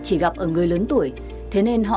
chỉ gặp ở người lớn tuổi thế nên họ